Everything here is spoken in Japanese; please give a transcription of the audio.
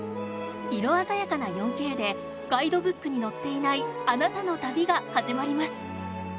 色鮮やかな４Ｋでガイドブックに載っていないあなたの旅が始まります。